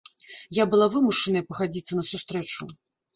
Я была вымушаная пагадзіцца на сустрэчу.